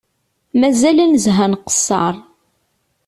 Mazal ad nezhu ad nqeṣṣer